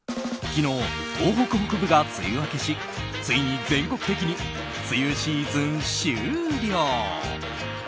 昨日、東北北部が梅雨明けしついに全国的に梅雨シーズン終了。